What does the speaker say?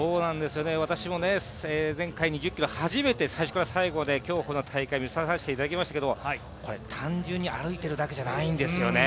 私も前回、２０ｋｍを初めて最初から最後まで、競歩の大会を見させていただきましたが、単純に歩いているだけじゃないんですよね。